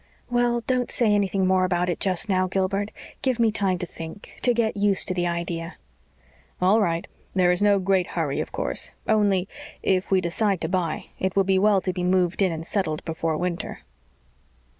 "Well, don't say anything more about it just now, Gilbert. Give me time to think to get used to the idea." "All right. There is no great hurry, of course. Only if we decide to buy, it would be well to be moved in and settled before winter."